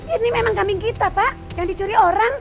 ini memang kambing kita pak yang dicuri orang